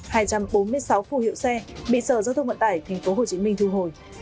trong đó hai trăm bốn mươi sáu phù hiệu xe bị sờ giao thông vận tải tp hcm thu hồi